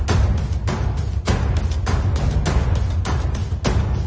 แต่ก็ไม่รู้ว่าจะมีใครอยู่ข้างหลัง